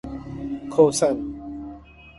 کوسن